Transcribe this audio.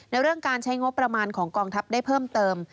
เรื่องการใช้งบประมาณของกองทัพได้เพิ่มเติม